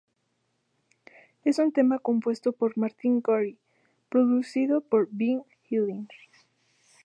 Es un tema compuesto por Martin Gore, producido por Ben Hillier.